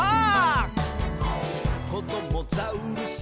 「こどもザウルス